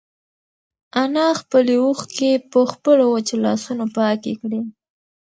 انا خپلې اوښکې په خپلو وچو لاسونو پاکې کړې.